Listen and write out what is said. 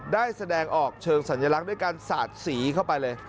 ได้แสดงออกเชิงสัญลักษณ์ด้วยการสาดสีเข้าไปเลย